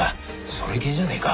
それ系じゃねえか？